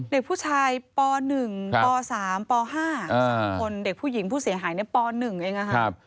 เด็กผู้ชายป๑ป๓ป๕๓คนเด็กผู้หญิงผู้เสียหายในป๑เองนะครับ